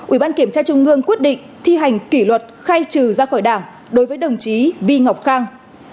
ủy ban kiểm tra trung ương quyết định thi hành kỷ luật khai trừ ra khỏi đảng đối với đồng chí vi ngọc khang